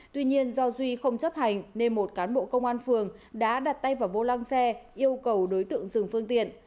tuy nhiên do duy không chấp hành nên một cán bộ công an phường đã đặt tay vào vô lăng xe yêu cầu đối tượng dừng phương tiện